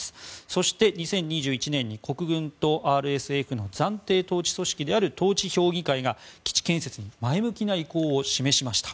そして、２０２１年に国軍とＲＳＦの暫定統治組織である統治評議会が基地建設に前向きな意向を示しました。